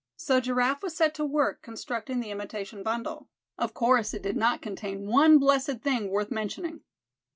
So Giraffe was set to work constructing the imitation bundle. Of course it did not contain one blessed thing worth mentioning.